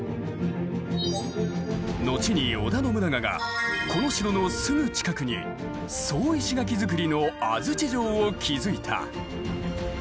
後に織田信長がこの城のすぐ近くに総石垣造りの安土城を築いた。